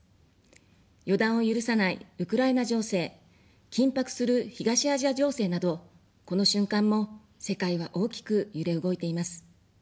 予断を許さないウクライナ情勢、緊迫する東アジア情勢など、この瞬間も世界は大きく揺れ動いています。